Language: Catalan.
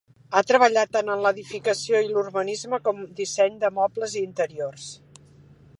Ha treballat tant en edificació i urbanisme, com en disseny de mobles i interiors.